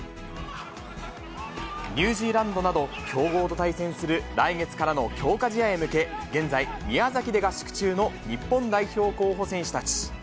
ニュージーランドなど、強豪と対戦する来月からの強化試合へ向け、現在、宮崎で合宿中の日本代表候補選手たち。